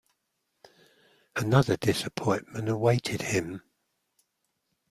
Another disappointment awaited him